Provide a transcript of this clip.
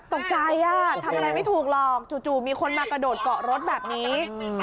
ตกใจทำอะไรไม่ถูกหรอกจู่มีคนมากระโดดเกาะรถแบบนี้